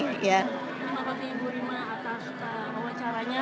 terima kasih ibu rima atas wacaranya